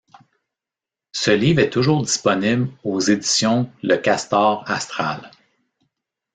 Ce livre est toujours disponible aux éditions Le Castor astral.